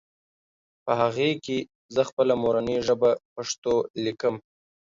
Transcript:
په هغې کې زهٔ خپله مورنۍ ژبه پښتو ليکم